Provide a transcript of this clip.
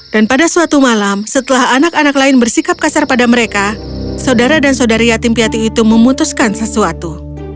dan pada suatu malam setelah anak anak lain bersikap kasar pada mereka saudara dan saudari yatim piati itu memutuskan sesuatu